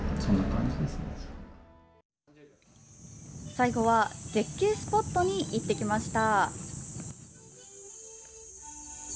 最後は、絶景スポットに行ってきました。